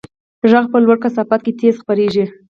غږ په لوړه کثافت کې تېز خپرېږي.